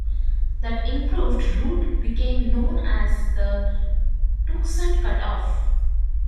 That improved route became known as the Tucson Cutoff.